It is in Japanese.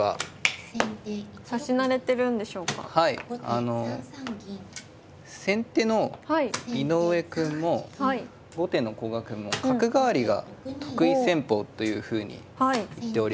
あの先手の井上くんも後手の古賀くんも角換わりが得意戦法というふうに言っておりまして。